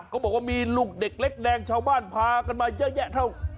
ก็บอกว่ามีลูกเด็กเล็กแดงชาวบ้านพากันมาเยอะแยะเท่า